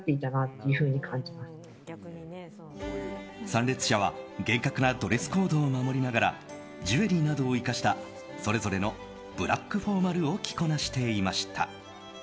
参列者は厳格なドレスコードを守りながらジュエリーなどを生かしたそれぞれのブラックフォーマルを着こなしていました。